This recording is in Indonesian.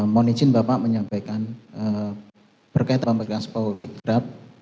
mohon izin bapak menyampaikan berkaitan pemeriksaan poligraf